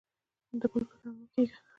د بل په تمه مه کیږئ